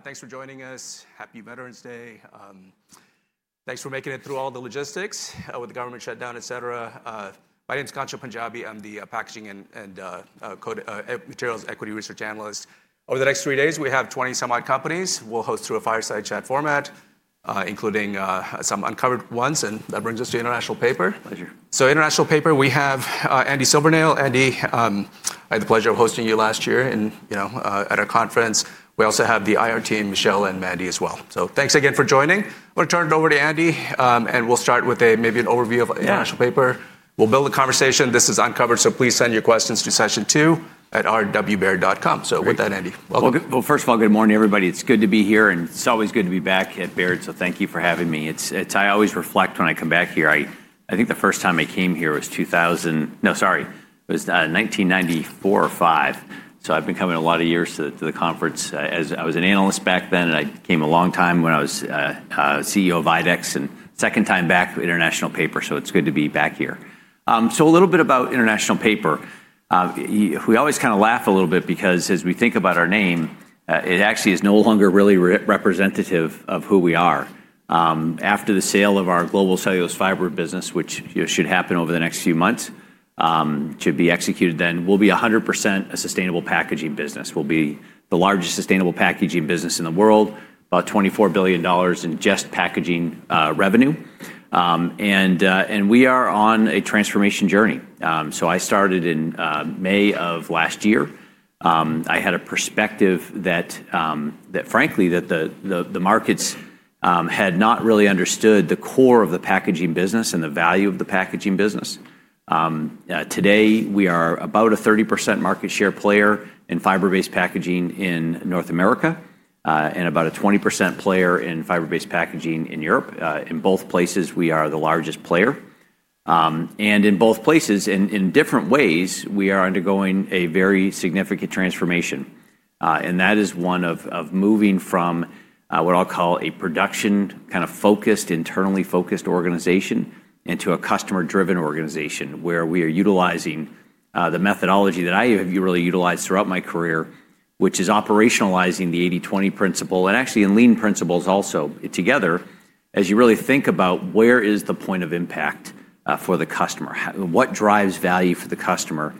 Thanks for joining us. Happy Veterans Day. Thanks for making it through all the logistics with the government shutdown, et cetera. My name is Gancho Punjabi. I'm the Packaging and Materials Equity Research Analyst. Over the next three days, we have 20 some-odd companies we'll host through a fireside chat format, including some uncovered ones. That brings us to International Paper. Pleasure. International Paper, we have Andy Silvernail. Andy, I had the pleasure of hosting you last year at our conference. We also have the IR team, Michelle and Mandy as well. Thanks again for joining. I'm going to turn it over to Andy, and we'll start with maybe an overview of International Paper. We'll build a conversation. This is uncovered, so please send your questions to session2@rdwbeard.com. With that, Andy, welcome. Good morning, everybody. It's good to be here, and it's always good to be back at Baird. Thank you for having me. I always reflect when I come back here. I think the first time I came here was 2000, no, sorry, it was 1994 or 1995. I've been coming a lot of years to the conference. I was an analyst back then, and I came a long time when I was CEO of IDEXX, and second time back with International Paper. It's good to be back here. A little bit about International Paper. We always kind of laugh a little bit because as we think about our name, it actually is no longer really representative of who we are. After the sale of our global cellulose fiber business, which should happen over the next few months to be executed, then we'll be 100% a sustainable packaging business. We'll be the largest sustainable packaging business in the world, about $24 billion in just packaging revenue. We are on a transformation journey. I started in May of last year. I had a perspective that, frankly, the markets had not really understood the core of the packaging business and the value of the packaging business. Today, we are about a 30% market share player in fiber-based packaging in North America and about a 20% player in fiber-based packaging in Europe. In both places, we are the largest player. In both places, in different ways, we are undergoing a very significant transformation. That is one of moving from what I'll call a production kind of focused, internally focused organization into a customer-driven organization where we are utilizing the methodology that I have really utilized throughout my career, which is operationalizing the 80/20 principle and actually lean principles also together as you really think about where is the point of impact for the customer, what drives value for the customer,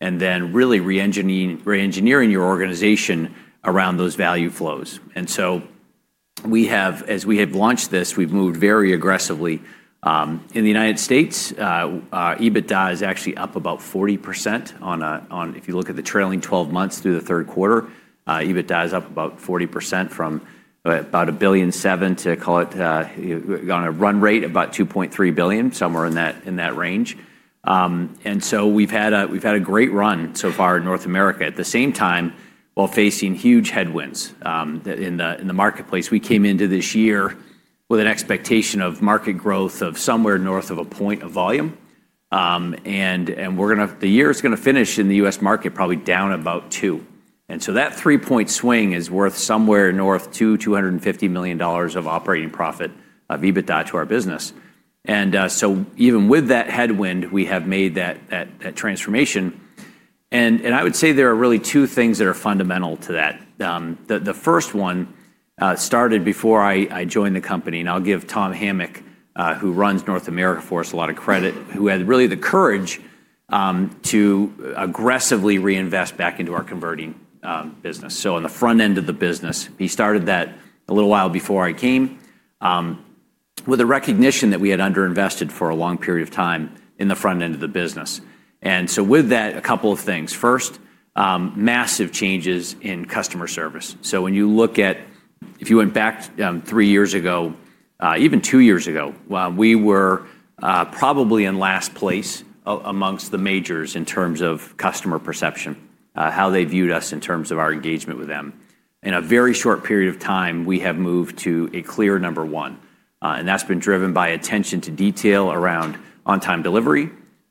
and then really re-engineering your organization around those value flows. As we have launched this, we've moved very aggressively. In the United States, EBITDA is actually up about 40%. If you look at the trailing 12 months through the third quarter, EBITDA is up about 40% from about $1.7 billion to call it on a run rate about $2.3 billion, somewhere in that range. We have had a great run so far in North America. At the same time, while facing huge headwinds in the marketplace, we came into this year with an expectation of market growth of somewhere north of a point of volume. The year is going to finish in the U.S. market probably down about 2. That three-point swing is worth somewhere north of $250 million of operating profit of EBITDA to our business. Even with that headwind, we have made that transformation. I would say there are really two things that are fundamental to that. The first one started before I joined the company. I'll give Tom Hamic, who runs North America for us, a lot of credit, who had really the courage to aggressively reinvest back into our converting business. On the front end of the business, he started that a little while before I came with a recognition that we had underinvested for a long period of time in the front end of the business. With that, a couple of things. First, massive changes in customer service. If you went back three years ago, even two years ago, we were probably in last place amongst the majors in terms of customer perception, how they viewed us in terms of our engagement with them. In a very short period of time, we have moved to a clear number one. That has been driven by attention to detail around on-time delivery,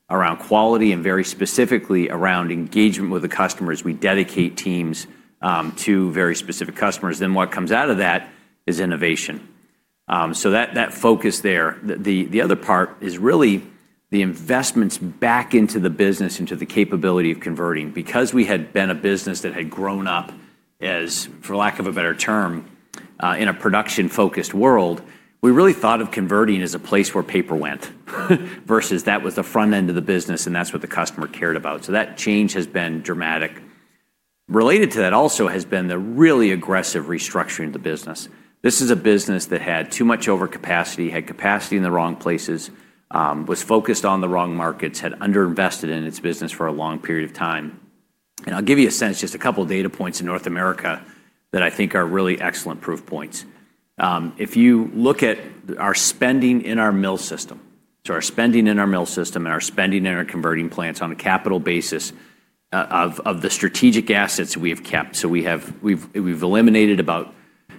around quality, and very specifically around engagement with the customers. We dedicate teams to very specific customers. What comes out of that is innovation. That focus there. The other part is really the investments back into the business, into the capability of converting. Because we had been a business that had grown up, for lack of a better term, in a production-focused world, we really thought of converting as a place where paper went versus that was the front end of the business, and that's what the customer cared about. That change has been dramatic. Related to that also has been the really aggressive restructuring of the business. This is a business that had too much overcapacity, had capacity in the wrong places, was focused on the wrong markets, had underinvested in its business for a long period of time. I'll give you a sense, just a couple of data points in North America that I think are really excellent proof points. If you look at our spending in our mill system, so our spending in our mill system and our spending in our converting plants on a capital basis of the strategic assets we have kept. We have eliminated about,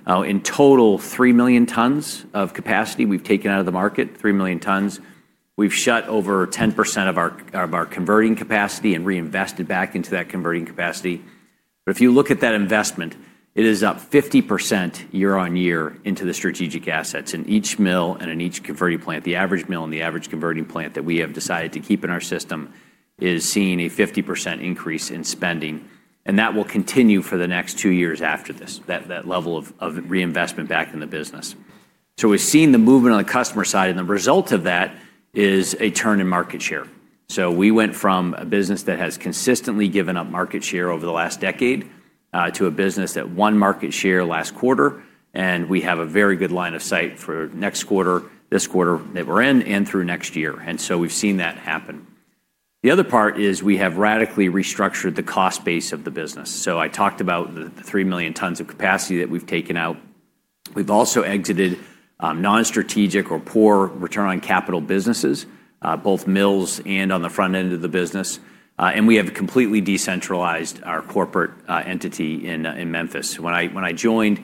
in total, 3 million tons of capacity we have taken out of the market, 3 million tons. We have shut over 10% of our converting capacity and reinvested back into that converting capacity. If you look at that investment, it is up 50% year on year into the strategic assets. In each mill and in each converting plant, the average mill and the average converting plant that we have decided to keep in our system is seeing a 50% increase in spending. That will continue for the next two years after this, that level of reinvestment back in the business. We have seen the movement on the customer side, and the result of that is a turn in market share. We went from a business that has consistently given up market share over the last decade to a business that won market share last quarter. We have a very good line of sight for next quarter, this quarter that we are in, and through next year. We have seen that happen. The other part is we have radically restructured the cost base of the business. I talked about the 3 million tons of capacity that we have taken out. We have also exited non-strategic or poor return on capital businesses, both mills and on the front end of the business. We have completely decentralized our corporate entity in Memphis. When I joined,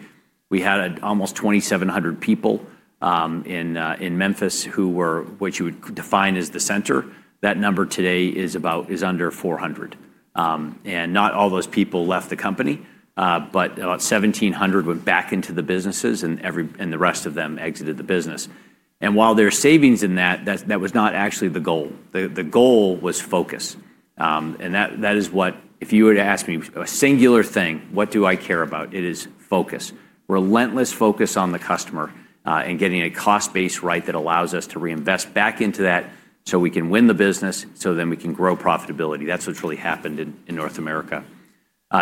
we had almost 2,700 people in Memphis who were what you would define as the center. That number today is under 400. Not all those people left the company, but about 1,700 went back into the businesses, and the rest of them exited the business. While there are savings in that, that was not actually the goal. The goal was focus. If you were to ask me a singular thing, what do I care about? It is focus, relentless focus on the customer and getting a cost base right that allows us to reinvest back into that so we can win the business so then we can grow profitability. That is what has really happened in North America.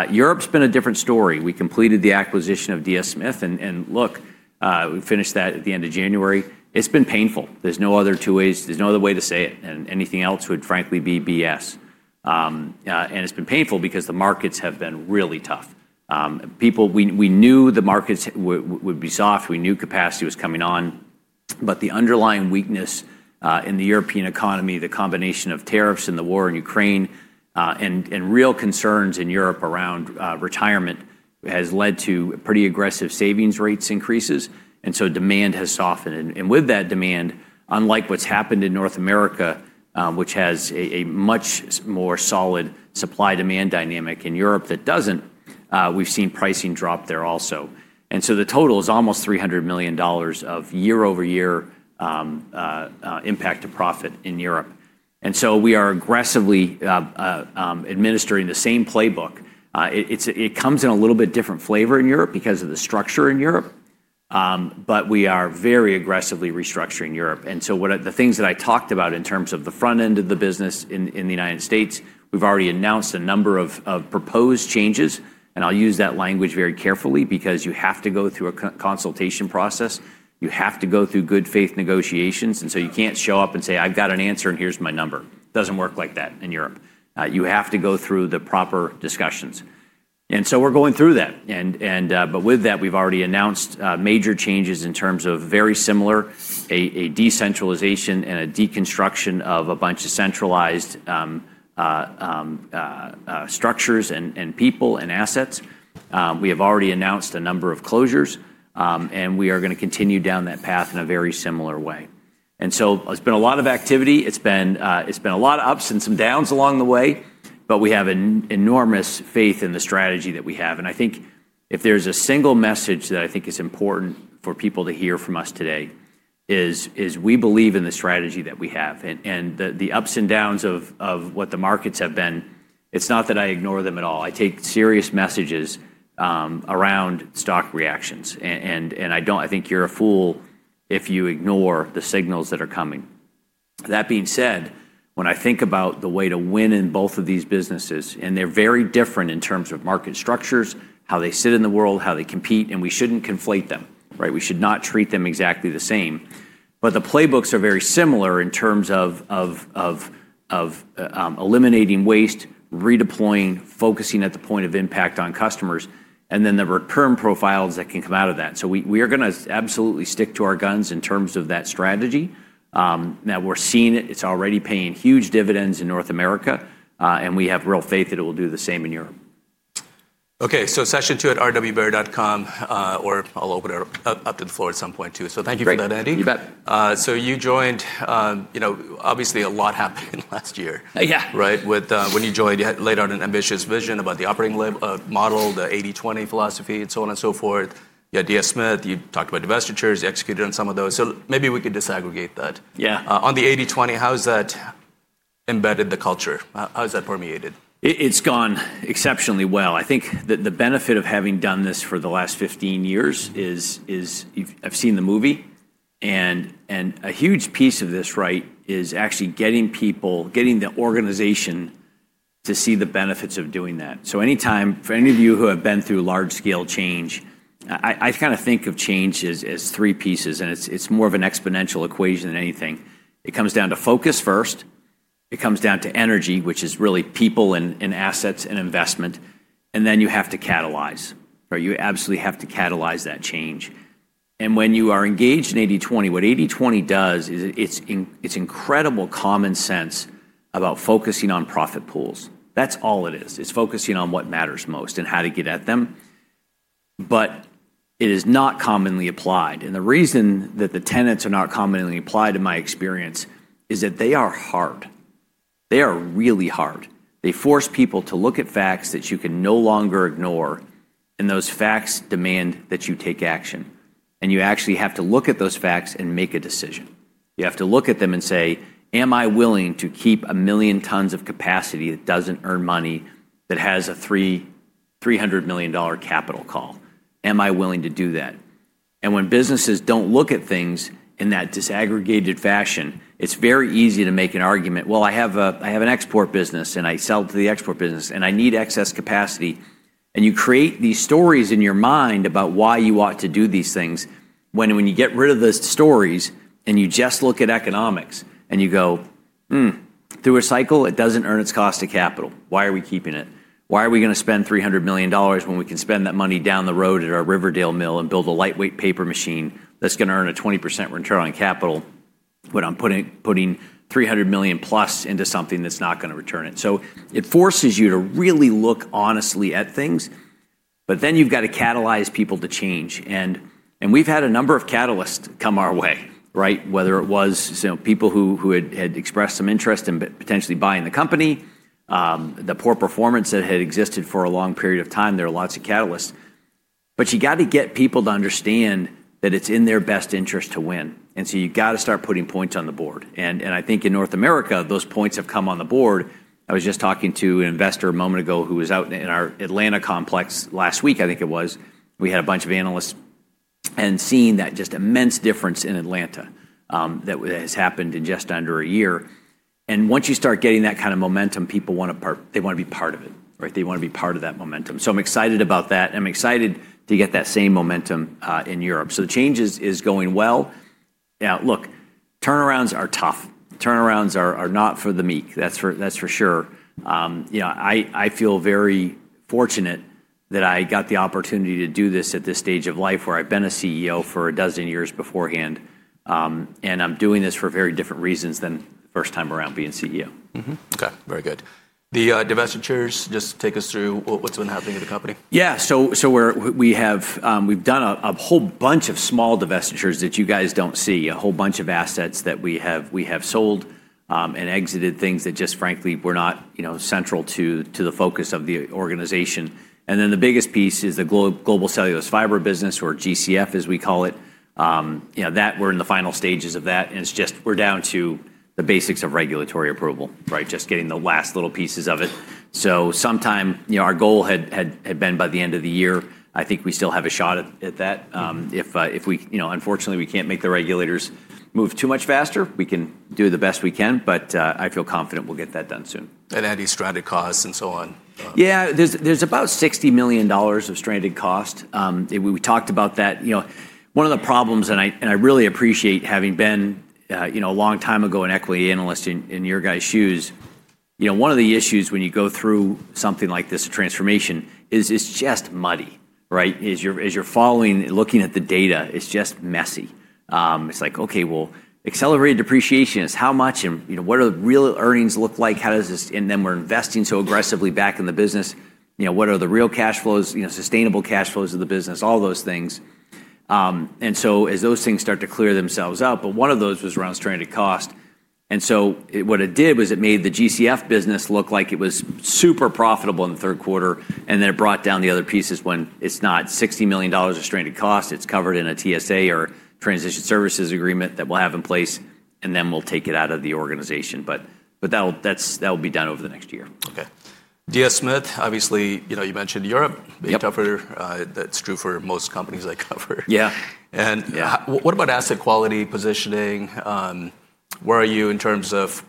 Europe's been a different story. We completed the acquisition of DS Smith. We finished that at the end of January. It has been painful. There is no other way to say it. Anything else would frankly be BS. It's been painful because the markets have been really tough. We knew the markets would be soft. We knew capacity was coming on. The underlying weakness in the European economy, the combination of tariffs and the war in Ukraine and real concerns in Europe around retirement has led to pretty aggressive savings rates increases. Demand has softened. With that demand, unlike what's happened in North America, which has a much more solid supply-demand dynamic, in Europe that does not, we've seen pricing drop there also. The total is almost $300 million of year-over-year impact to profit in Europe. We are aggressively administering the same playbook. It comes in a little bit different flavor in Europe because of the structure in Europe. We are very aggressively restructuring Europe. The things that I talked about in terms of the front end of the business in the United States, we've already announced a number of proposed changes. I use that language very carefully because you have to go through a consultation process. You have to go through good faith negotiations. You cannot show up and say, "I've got an answer, and here's my number." It does not work like that in Europe. You have to go through the proper discussions. We are going through that. With that, we've already announced major changes in terms of, very similar, a decentralization and a deconstruction of a bunch of centralized structures and people and assets. We have already announced a number of closures. We are going to continue down that path in a very similar way. There has been a lot of activity. It's been a lot of ups and some downs along the way. We have enormous faith in the strategy that we have. I think if there's a single message that I think is important for people to hear from us today, it is we believe in the strategy that we have. The ups and downs of what the markets have been, it's not that I ignore them at all. I take serious messages around stock reactions. I think you're a fool if you ignore the signals that are coming. That being said, when I think about the way to win in both of these businesses, and they're very different in terms of market structures, how they sit in the world, how they compete, and we shouldn't conflate them, right? We should not treat them exactly the same. The playbooks are very similar in terms of eliminating waste, redeploying, focusing at the point of impact on customers, and then the return profiles that can come out of that. We are going to absolutely stick to our guns in terms of that strategy. Now we're seeing it. It's already paying huge dividends in North America. We have real faith that it will do the same in Europe. Okay. Session2@rdwbeard.com, or I'll open it up to the floor at some point too. Thank you for that, Andy. You bet. You joined. Obviously, a lot happened last year, right? When you joined, you had laid out an ambitious vision about the operating model, the 80/20 philosophy, and so on and so forth. You had DS Smith. You talked about investitures. You executed on some of those. Maybe we could disaggregate that. On the 80/20, how has that embedded the culture? How has that permeated? It's gone exceptionally well. I think the benefit of having done this for the last 15 years is I've seen the movie. A huge piece of this, right, is actually getting people, getting the organization to see the benefits of doing that. Anytime for any of you who have been through large-scale change, I kind of think of change as three pieces. It's more of an exponential equation than anything. It comes down to focus first. It comes down to energy, which is really people and assets and investment. You have to catalyze. You absolutely have to catalyze that change. When you are engaged in 80/20, what 80/20 does is it's incredible common sense about focusing on profit pools. That's all it is. It's focusing on what matters most and how to get at them. It is not commonly applied. The reason that the tenets are not commonly applied, in my experience, is that they are hard. They are really hard. They force people to look at facts that you can no longer ignore. Those facts demand that you take action. You actually have to look at those facts and make a decision. You have to look at them and say, "Am I willing to keep a million tons of capacity that does not earn money, that has a $300 million capital call? Am I willing to do that? When businesses do not look at things in that disaggregated fashion, it is very easy to make an argument, "Well, I have an export business, and I sell to the export business, and I need excess capacity." You create these stories in your mind about why you ought to do these things. When you get rid of those stories and you just look at economics and you go through a cycle, it does not earn its cost of capital. Why are we keeping it? Why are we going to spend $300 million when we can spend that money down the road at our Riverdale mill and build a lightweight paper machine that is going to earn a 20% return on capital when I am putting $300 million plus into something that is not going to return it? It forces you to really look honestly at things. You have got to catalyze people to change. We have had a number of catalysts come our way, right? Whether it was people who had expressed some interest in potentially buying the company, the poor performance that had existed for a long period of time. There are lots of catalysts. You have got to get people to understand that it is in their best interest to win. You have got to start putting points on the board. I think in North America, those points have come on the board. I was just talking to an investor a moment ago who was out in our Atlanta complex last week, I think it was. We had a bunch of analysts and seen that just immense difference in Atlanta that has happened in just under a year. Once you start getting that kind of momentum, people want to be part of it, right? They want to be part of that momentum. I am excited about that. I am excited to get that same momentum in Europe. The change is going well. Turnarounds are tough. Turnarounds are not for the meek, that is for sure. I feel very fortunate that I got the opportunity to do this at this stage of life where I have been a CEO for a dozen years beforehand. I am doing this for very different reasons than the first time around being CEO. Okay. Very good. The divestitures, just take us through what's been happening in the company. Yeah. So we've done a whole bunch of small divestitures that you guys don't see, a whole bunch of assets that we have sold and exited, things that just frankly were not central to the focus of the organization. The biggest piece is the global cellulose fiber business, or GCF, as we call it. We're in the final stages of that. It's just we're down to the basics of regulatory approval, right? Just getting the last little pieces of it. Our goal had been by the end of the year. I think we still have a shot at that. Unfortunately, we can't make the regulators move too much faster. We can do the best we can. I feel confident we'll get that done soon. Any stranded costs and so on? Yeah. There's about $60 million of stranded cost. We talked about that. One of the problems, and I really appreciate having been a long time ago an equity analyst in your guys' shoes, one of the issues when you go through something like this, a transformation, is it's just muddy, right? As you're following, looking at the data, it's just messy. It's like, "Okay, well, accelerated depreciation is how much? And what do real earnings look like? How does this?" We're investing so aggressively back in the business. What are the real cash flows, sustainable cash flows of the business, all those things? As those things start to clear themselves up, one of those was around stranded cost. What it did was it made the GCF business look like it was super profitable in the third quarter. It brought down the other pieces when it's not $60 million of stranded cost. It's covered in a TSA or transition services agreement that we'll have in place. We'll take it out of the organization. That'll be done over the next year. Okay. DS Smith, obviously, you mentioned Europe, big cover. That's true for most companies I cover. Yeah. What about asset quality positioning? Where are you in terms of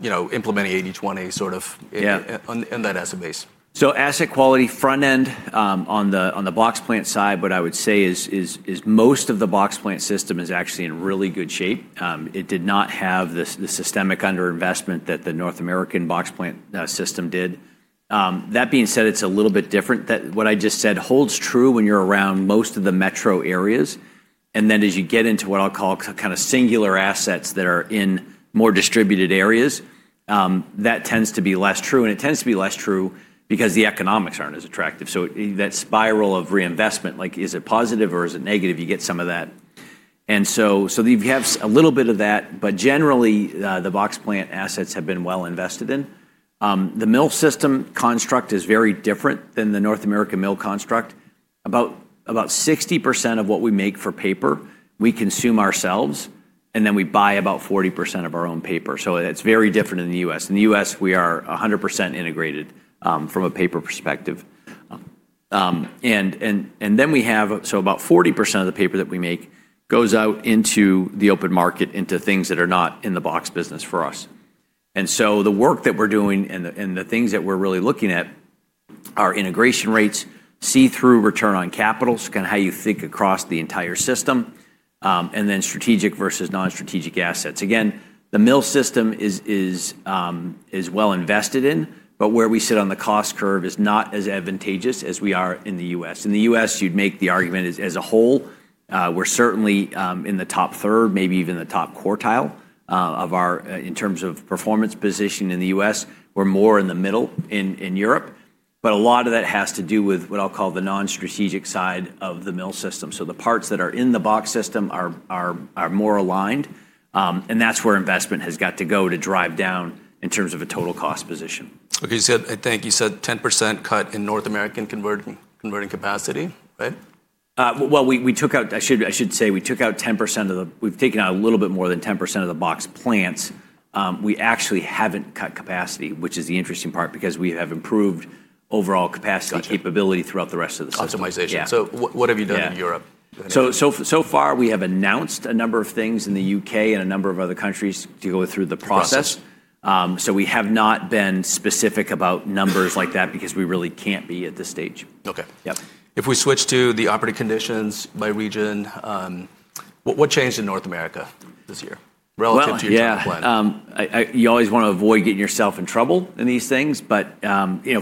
implementing 80/20 sort of in that asset base? Asset quality front end on the boxplant side, what I would say is most of the boxplant system is actually in really good shape. It did not have the systemic underinvestment that the North American boxplant system did. That being said, it's a little bit different. What I just said holds true when you're around most of the metro areas. As you get into what I'll call kind of singular assets that are in more distributed areas, that tends to be less true. It tends to be less true because the economics aren't as attractive. That spiral of reinvestment, like is it positive or is it negative, you get some of that. You have a little bit of that. Generally, the boxplant assets have been well invested in. The mill system construct is very different than the North American mill construct. About 60% of what we make for paper, we consume ourselves. We buy about 40% of our own paper. It is very different in the U.S. In the U.S., we are 100% integrated from a paper perspective. We have about 40% of the paper that we make going out into the open market into things that are not in the box business for us. The work that we are doing and the things that we are really looking at are integration rates, see-through return on capital, so kind of how you think across the entire system, and then strategic versus non-strategic assets. Again, the mill system is well invested in. Where we sit on the cost curve is not as advantageous as we are in the U.S. In the U.S., you'd make the argument as a whole, we're certainly in the top third, maybe even the top quartile in terms of performance positioning in the U.S. We're more in the middle in Europe. A lot of that has to do with what I'll call the non-strategic side of the mill system. The parts that are in the box system are more aligned. That's where investment has got to go to drive down in terms of a total cost position. Okay. You said 10% cut in North American converting capacity, right? We took out, I should say, we took out 10% of the, we have taken out a little bit more than 10% of the boxplants. We actually have not cut capacity, which is the interesting part, because we have improved overall capacity capability throughout the rest of the system. Optimization. What have you done in Europe? So far, we have announced a number of things in the U.K. and a number of other countries to go through the process. We have not been specific about numbers like that because we really can't be at this stage. Okay. If we switch to the operating conditions by region, what changed in North America this year relative to your boxplant? Yeah. You always want to avoid getting yourself in trouble in these things. But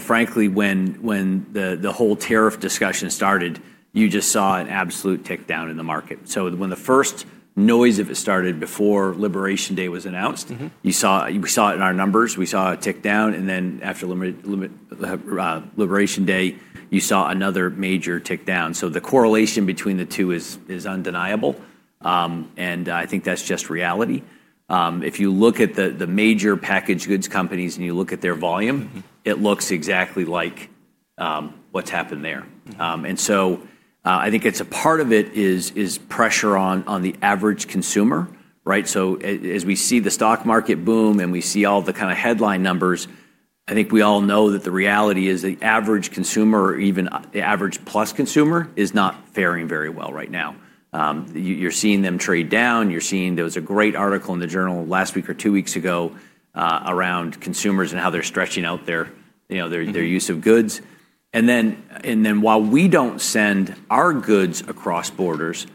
frankly, when the whole tariff discussion started, you just saw an absolute tick down in the market. So when the first noise of it started before Liberation Day was announced, we saw it in our numbers. We saw a tick down. And then after Liberation Day, you saw another major tick down. The correlation between the two is undeniable. I think that's just reality. If you look at the major packaged goods companies and you look at their volume, it looks exactly like what's happened there. I think a part of it is pressure on the average consumer, right? As we see the stock market boom and we see all the kind of headline numbers, I think we all know that the reality is the average consumer, even the average plus consumer, is not faring very well right now. You're seeing them trade down. You're seeing there was a great article in the Journal last week or two weeks ago around consumers and how they're stretching out their use of goods. While we do not send our goods across borders,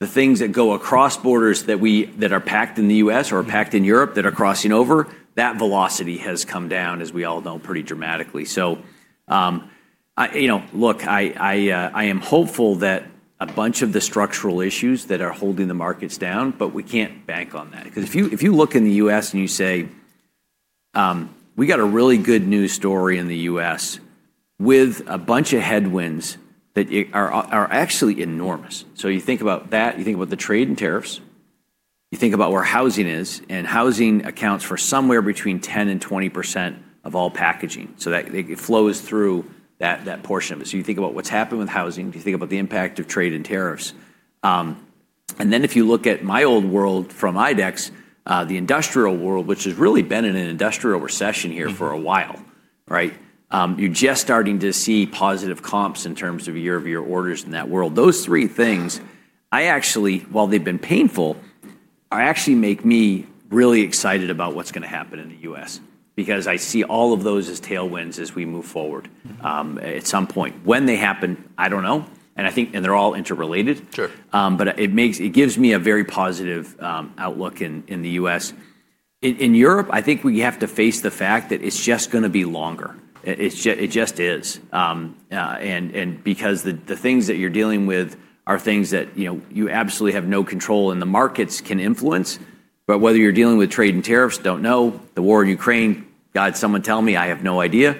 the things that go across borders that are packed in the US or are packed in Europe that are crossing over, that velocity has come down, as we all know, pretty dramatically. I am hopeful that a bunch of the structural issues that are holding the markets down, but we can't bank on that. Because if you look in the U.S. and you say, "We got a really good news story in the U.S. with a bunch of headwinds that are actually enormous." You think about that. You think about the trade and tariffs. You think about where housing is. Housing accounts for somewhere between 10% and 20% of all packaging. It flows through that portion of it. You think about what has happened with housing. You think about the impact of trade and tariffs. If you look at my old world from IDEXX, the industrial world, which has really been in an industrial recession here for a while, right? You are just starting to see positive comps in terms of year-over-year orders in that world. Those three things, while they've been painful, actually make me really excited about what's going to happen in the U.S. because I see all of those as tailwinds as we move forward at some point. When they happen, I don't know. I think they're all interrelated. It gives me a very positive outlook in the U.S. In Europe, I think we have to face the fact that it's just going to be longer. It just is. The things that you're dealing with are things that you absolutely have no control over and the markets can influence. Whether you're dealing with trade and tariffs, don't know. The war in Ukraine, God, someone tell me, I have no idea.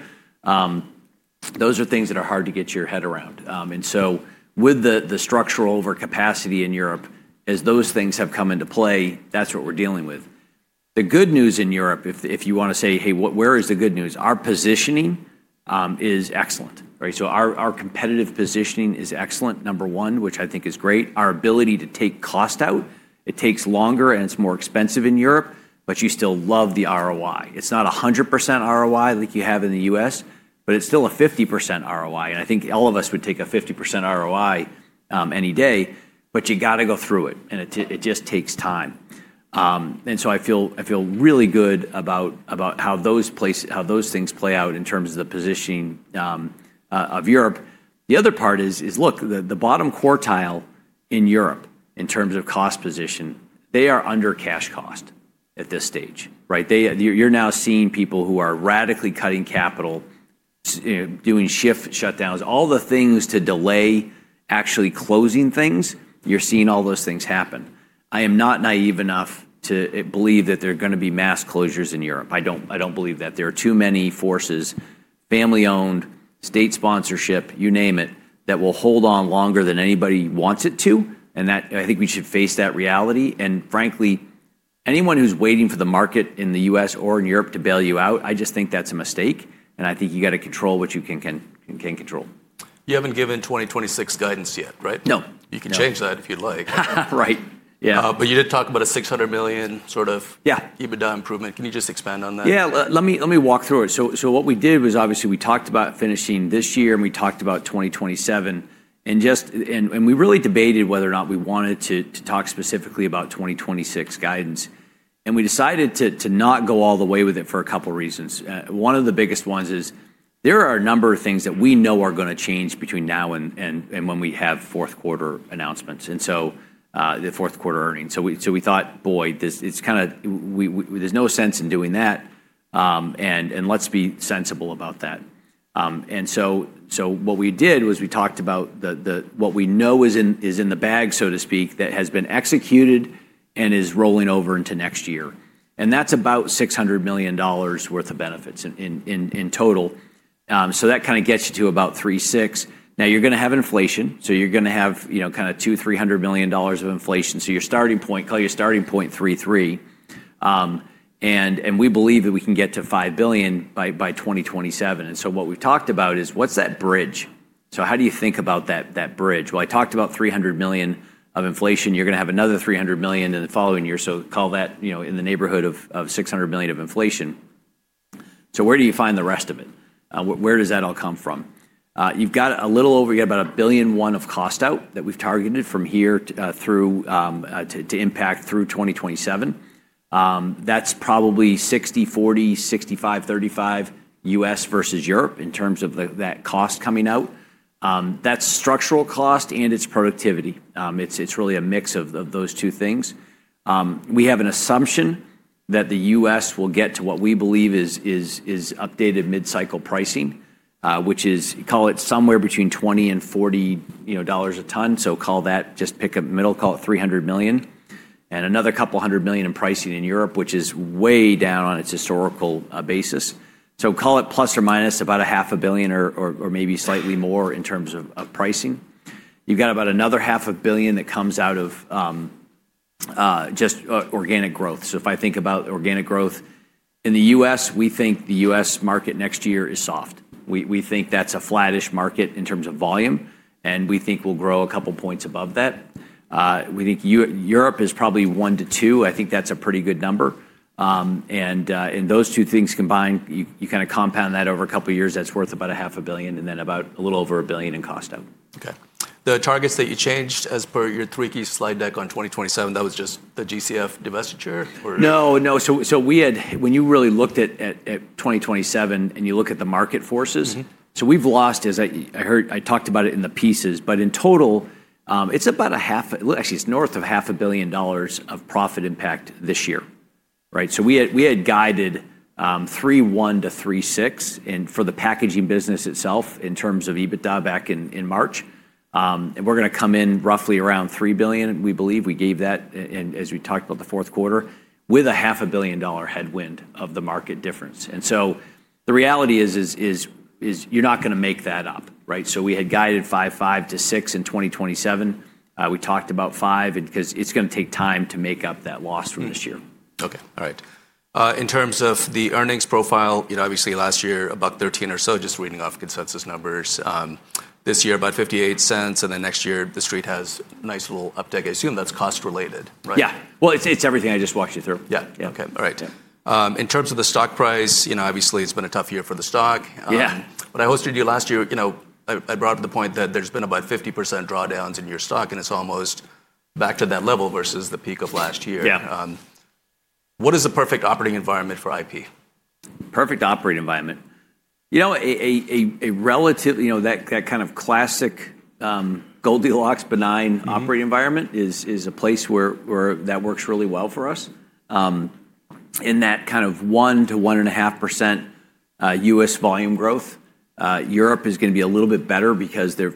Those are things that are hard to get your head around. With the structural overcapacity in Europe, as those things have come into play, that's what we're dealing with. The good news in Europe, if you want to say, "Hey, where is the good news?" Our positioning is excellent, right? Our competitive positioning is excellent, number one, which I think is great. Our ability to take cost out, it takes longer and it's more expensive in Europe, but you still love the ROI. It's not 100% ROI like you have in the U.S., but it's still a 50% ROI. I think all of us would take a 50% ROI any day. You have to go through it. It just takes time. I feel really good about how those things play out in terms of the positioning of Europe. The other part is, look, the bottom quartile in Europe in terms of cost position, they are under cash cost at this stage, right? You are now seeing people who are radically cutting capital, doing shift shutdowns, all the things to delay actually closing things. You are seeing all those things happen. I am not naive enough to believe that there are going to be mass closures in Europe. I do not believe that. There are too many forces, family-owned, state sponsorship, you name it, that will hold on longer than anybody wants it to. I think we should face that reality. Frankly, anyone who is waiting for the market in the U.S. or in Europe to bail you out, I just think that is a mistake. I think you have to control what you can control. You haven't given 2026 guidance yet, right? No. You can change that if you'd like. Right. Yeah. You did talk about a $600 million sort of EBITDA improvement. Can you just expand on that? Yeah. Let me walk through it. What we did was obviously we talked about finishing this year and we talked about 2027. We really debated whether or not we wanted to talk specifically about 2026 guidance. We decided to not go all the way with it for a couple of reasons. One of the biggest ones is there are a number of things that we know are going to change between now and when we have fourth quarter announcements, and the fourth quarter earnings. We thought, "Boy, it's kind of there's no sense in doing that. Let's be sensible about that." What we did was we talked about what we know is in the bag, so to speak, that has been executed and is rolling over into next year. That's about $600 million worth of benefits in total. That kind of gets you to about $3.6 billion. Now you're going to have inflation. You're going to have kind of $200 million-$300 million of inflation. Your starting point, call your starting point $3.3 billion. We believe that we can get to $5 billion by 2027. What we've talked about is what's that bridge? How do you think about that bridge? I talked about $300 million of inflation. You're going to have another $300 million in the following year, so call that in the neighborhood of $600 million of inflation. Where do you find the rest of it? Where does that all come from? You've got a little over, you got about $1.1 billion of cost out that we've targeted from here through to impact through 2027. That's probably 60-40, 65-35 U.S. versus Europe in terms of that cost coming out. That's structural cost and it's productivity. It's really a mix of those two things. We have an assumption that the U.S. will get to what we believe is updated mid-cycle pricing, which is, call it, somewhere between $20 and $40 a ton. So call that, just pick a middle, call it $300 million. And another couple hundred million in pricing in Europe, which is way down on its historical basis. Call it plus or minus about $500 million or maybe slightly more in terms of pricing. You've got about another $500 million that comes out of just organic growth. If I think about organic growth in the U.S., we think the U.S. market next year is soft. We think that's a flattish market in terms of volume. We think we will grow a couple points above that. We think Europe is probably one to two. I think that is a pretty good number. Those two things combined, you kind of compound that over a couple of years, that is worth about $500 million and then about a little over $1 billion in cost out. Okay. The targets that you changed as per your three key slide deck on 2027, that was just the GCF divestiture or? No, no. When you really looked at 2027 and you look at the market forces, we have lost, as I talked about it in the pieces, but in total, it is about $500 million actually it is north of $500 million of profit impact this year, right? We had guided $3.1 billion-$3.6 billion for the packaging business itself in terms of EBITDA back in March. We are going to come in roughly around $3 billion, we believe we gave that as we talked about the fourth quarter with a $500,000,000 headwind of the market difference. The reality is you are not going to make that up, right? We had guided $5.5 billion-$6 billion in 2027. We talked about $5 billion because it is going to take time to make up that loss from this year. Okay. All right. In terms of the earnings profile, obviously last year about $0.13 or so, just reading off consensus numbers. This year about $0.58. And then next year the street has a nice little uptick. I assume that's cost related, right? Yeah. It is everything I just walked you through. Yeah. Okay. All right. In terms of the stock price, obviously it's been a tough year for the stock. I hosted you last year. I brought up the point that there's been about 50% drawdowns in your stock and it's almost back to that level versus the peak of last year. What is the perfect operating environment for IP? Perfect operating environment. You know, a relatively that kind of classic Goldilocks benign operating environment is a place where that works really well for us. In that kind of 1-1.5% US volume growth, Europe is going to be a little bit better because they're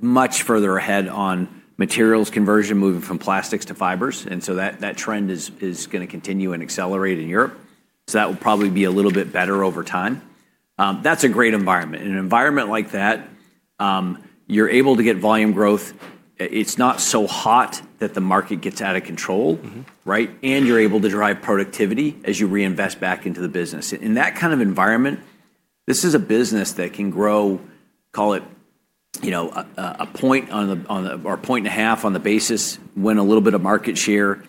much further ahead on materials conversion moving from plastics to fibers. That trend is going to continue and accelerate in Europe. That will probably be a little bit better over time. That's a great environment. In an environment like that, you're able to get volume growth. It's not so hot that the market gets out of control, right? You're able to drive productivity as you reinvest back into the business. In that kind of environment, this is a business that can grow, call it a point or a point and a half on the basis, win a little bit of market share.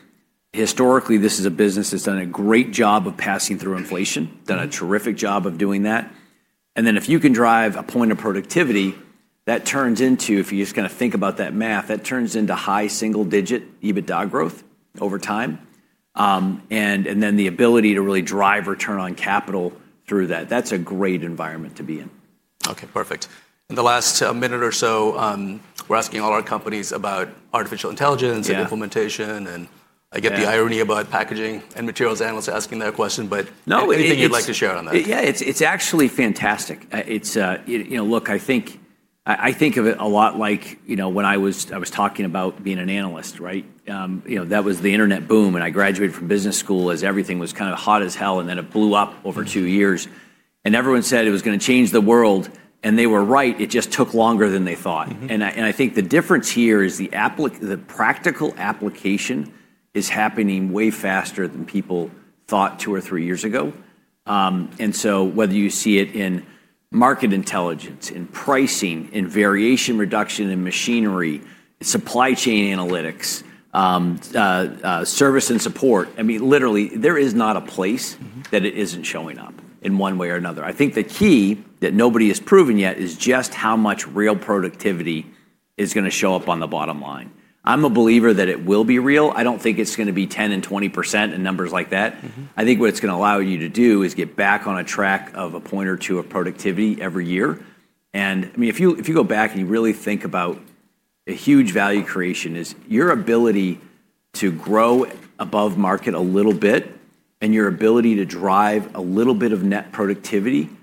Historically, this is a business that's done a great job of passing through inflation, done a terrific job of doing that. If you can drive a point of productivity, that turns into, if you just kind of think about that math, that turns into high single-digit EBITDA growth over time. The ability to really drive return on capital through that, that's a great environment to be in. Okay. Perfect. In the last minute or so, we're asking all our companies about artificial intelligence and implementation. I get the irony about packaging and materials analysts asking that question, but anything you'd like to share on that? Yeah. It's actually fantastic. Look, I think of it a lot like when I was talking about being an analyst, right? That was the internet boom. And I graduated from business school as everything was kind of hot as hell. Then it blew up over two years. Everyone said it was going to change the world. They were right. It just took longer than they thought. I think the difference here is the practical application is happening way faster than people thought two or three years ago. Whether you see it in market intelligence, in pricing, in variation reduction in machinery, supply chain analytics, service and support, I mean, literally, there is not a place that it isn't showing up in one way or another. I think the key that nobody has proven yet is just how much real productivity is going to show up on the bottom line. I'm a believer that it will be real. I don't think it's going to be 10% and 20% and numbers like that. I think what it's going to allow you to do is get back on a track of a point or two of productivity every year. I mean, if you go back and you really think about a huge value creation, it's your ability to grow above market a little bit and your ability to drive a little bit of net productivity, that.